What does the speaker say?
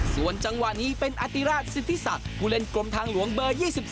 ส่วนจังหวะนี้เป็นอธิราชสิทธิศักดิ์ผู้เล่นกรมทางหลวงเบอร์๒๒